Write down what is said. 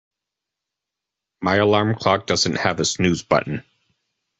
My alarm clock doesn't have a snooze button.